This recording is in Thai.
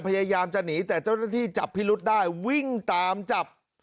พยายามจะหนีแต่เจ้าหน้าที่จับพิรุษได้วิ่งตามจับ